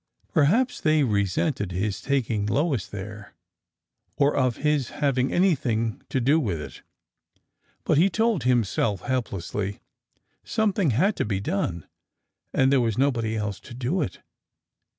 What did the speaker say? Per haps they resented his taking Lois there, or his having anything to do with it. But— he told himself helplessly — something had to be done, and there was nobody else to do it.